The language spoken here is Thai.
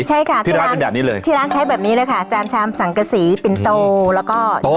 ใช่ค่ะที่ร้านเป็นแบบนี้เลยที่ร้านใช้แบบนี้เลยค่ะจานชามสังกษีปินโตแล้วก็